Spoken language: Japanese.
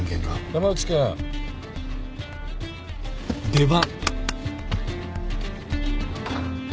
山内君出番。